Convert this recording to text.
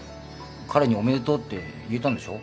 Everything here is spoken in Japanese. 彼におめでとうって言えたんでしょ？